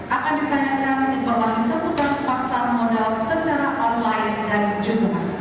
akan ditanyakan informasi seputar pasar modal secara online dan juga